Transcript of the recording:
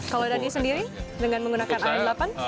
kalau dhani sendiri dengan menggunakan a delapan